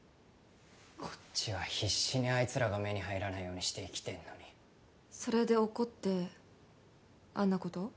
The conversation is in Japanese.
こっちは必死にあいつらが目に入らないようにして生きてんのにそれで怒ってあんなことを？